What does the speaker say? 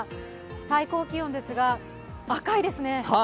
最高気温ですが、赤いですね。